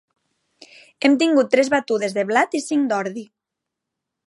Hem tingut tres batudes de blat i cinc d'ordi.